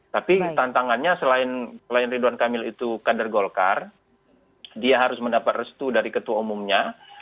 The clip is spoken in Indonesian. tapi tantangannya selain ridwan kamil itu kader golkar dia harus mendapat restu dari ketua umumnya